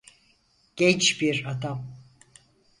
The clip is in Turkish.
Genç bir adam.